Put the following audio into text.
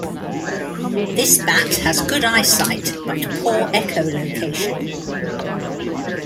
This bat has good eyesight, but poor echolocation.